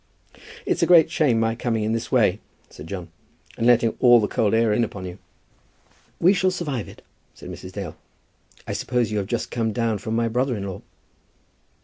"It's a great shame my coming in this way," said John, "and letting all the cold air in upon you." "We shall survive it," said Mrs. Dale. "I suppose you have just come down from my brother in law?"